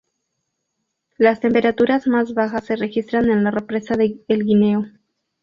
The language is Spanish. Las temperaturas más bajas se registran en la Represa el Guineo.